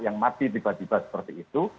yang mati tiba tiba seperti itu